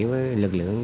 với lực lượng